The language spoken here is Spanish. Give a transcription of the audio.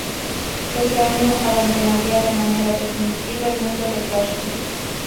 Ese año abandonaría de manera definitiva el mundo del karting.